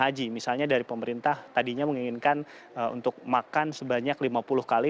jadi misalnya misalnya dari pemerintah tadinya menginginkan untuk makan sebanyak lima puluh kali